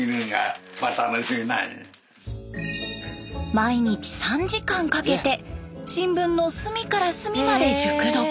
毎日３時間かけて新聞の隅から隅まで熟読。